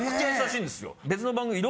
別の番組。